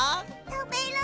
たべる！